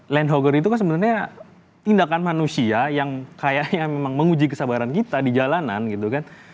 land hogger itu kan sebenarnya tindakan manusia yang kayaknya memang menguji kesabaran kita di jalanan gitu kan